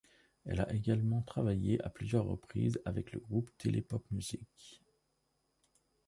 Elle a également travaillé à plusieurs reprises avec le groupe Télépopmusik.